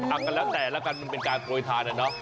เอาละแต่ละกันมันเป็นการโปรดทานนั้นเนอะ